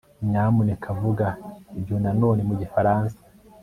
nyamuneka vuga ibyo na none mu gifaransa